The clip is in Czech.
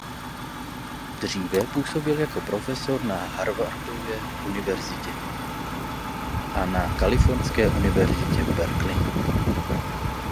Dříve působil jako profesor na Harvardově univerzitě a na Kalifornské univerzitě v Berkeley.